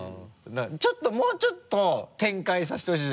ちょっともうちょっと展開させてほしい。